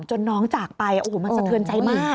จนน้องจากไปมันสะเทือนใจมาก